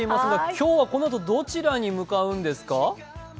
今日はこのあとどちらに向かうんですか？